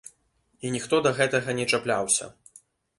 І ніхто да гэтага не чапляўся.